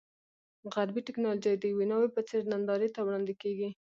غربي ټکنالوژي د یوې ناوې په څېر نندارې ته وړاندې کېږي.